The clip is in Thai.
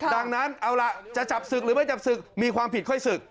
ดังนั้นเอาล่ะจะจับศึกหรือไม่จับศึกมีความผิดค่อยศึก